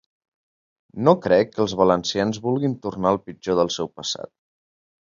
No crec que els valencians vulguin tornar al pitjor del seu passat.